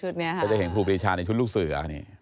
เดี๋ยวจะเห็นครูปริชาในชุดลูกสือ